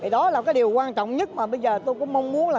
đó là cái điều quan trọng nhất mà bây giờ tôi cũng mong muốn là